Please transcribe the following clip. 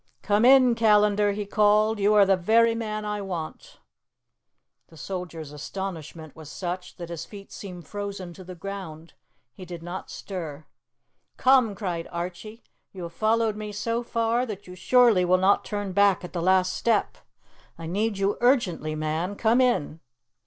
"Come in, Callandar!" he called. "You are the very man I want!" The soldier's astonishment was such that his feet seemed frozen to the ground. He did not stir. "Come!" cried Archie. "You have followed me so far that you surely will not turn back at the last step. I need you urgently, man. Come in!"